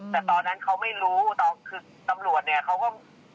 แต่ตอนนั้นเขาไม่รู้ตอนคือตำรวจเนี่ยเขาก็